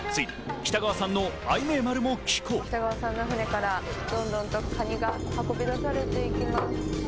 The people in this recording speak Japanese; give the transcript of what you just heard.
北川さんの船からどんどんとかにが運び出されている。